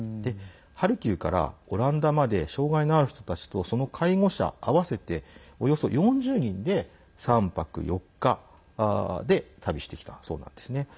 ハルキウからオランダまで障害のある人たちと、その介護者合わせて、およそ４０人で３泊４日で旅してきたそうなんですね。